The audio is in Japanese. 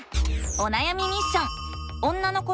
おなやみミッション！